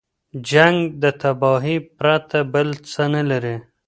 جنګ د تباهۍ پرته بل څه نه لري.